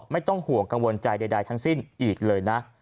ไม่ต้องห่วงกังวลใจใดทั้งสิ้นอีกเลยนะ